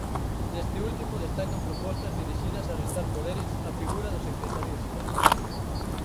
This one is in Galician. Neste último destacan propostas dirixidas a restar poderes á figura do secretario xeral.